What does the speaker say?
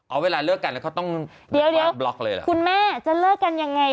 เวลาเลิกกันแล้วเขาต้องเดี๋ยวบล็อกเลยเหรอคุณแม่จะเลิกกันยังไง